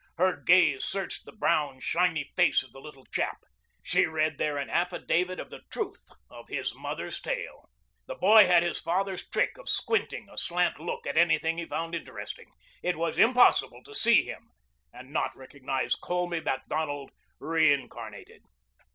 Her gaze searched the brown, shiny face of the little chap. She read there an affidavit of the truth of his mother's tale. The boy had his father's trick of squinting a slant look at anything he found interesting. It was impossible to see him and not recognize Colby Macdonald reincarnated.